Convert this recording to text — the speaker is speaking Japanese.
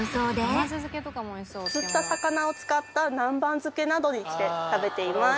釣った魚を使った南蛮漬けなどにして食べています。